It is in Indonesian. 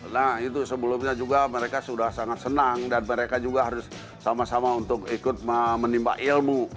nah itu sebelumnya juga mereka sudah sangat senang dan mereka juga harus sama sama untuk ikut menimba ilmu